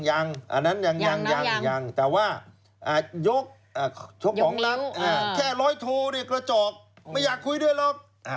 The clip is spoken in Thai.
อันนั้นยังแต่ว่ายกชกของลับแค่ร้อยโทเนี่ยกระจอกไม่อยากคุยด้วยหรอก